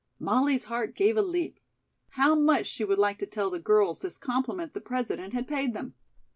Molly's heart gave a leap. How much she would like to tell the girls this compliment the President had paid them!